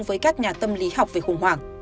với các nhà tâm lý học về khủng hoảng